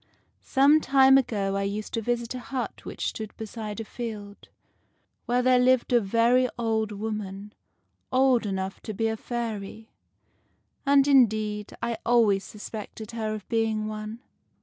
Some time ago I used to visit a hut which stood beside a field, where there lived a very old woman, old enough to be a fairy ; and, indeed, I always suspected her of being one.